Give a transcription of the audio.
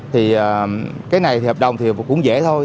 thì cái này hợp đồng thì cũng dễ thôi